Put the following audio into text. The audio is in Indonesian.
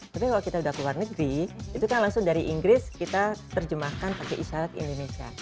tapi kalau kita udah ke luar negeri itu kan langsung dari inggris kita terjemahkan pakai isyarat indonesia